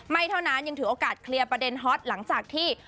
ไม่เท่านั้นยังถือโอกาสเคลียร์ประเด็นฮอตหลังจากที่